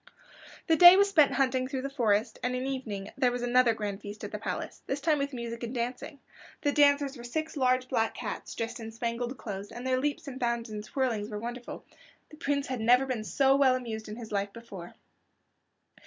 The day was spent in hunting through the forest, and in the evening there was another grand feast at the palace, this time with music and dancing. The dancers were six large black cats dressed in spangled clothes, and their leaps and bounds and twirlings were wonderful. The Prince had never been so well amused in his life before.